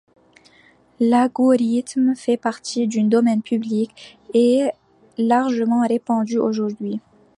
L'algorithme fait partie du domaine public et est largement répandu aujourd'hui.